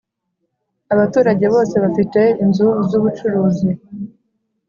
abaturage bose bafite inzu z ubucuruzi